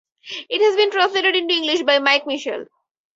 It has been translated into English by Mike Mitchell.